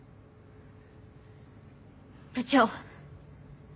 部長。